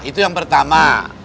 itu yang pertama